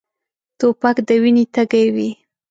توپک د وینې تږی وي.